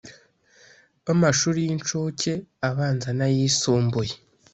b’amashuri y’incuke, abanza n’ayisumbuye.